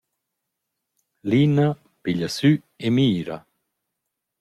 Lina piglia sü e mira.